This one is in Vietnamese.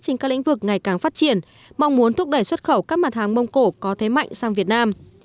trên các lĩnh vực ngày càng phát triển mong muốn thúc đẩy xuất khẩu các mặt hàng mông cổ có thế mạnh sang việt nam